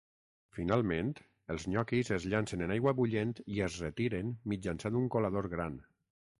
Finalment els nyoquis es llancen en aigua bullent i es retiren mitjançant un colador gran.